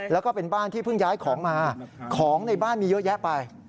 แล้วก็เป็นบ้านที่เพิ่งย้ายของมาของในบ้านมีเยอะแยะไป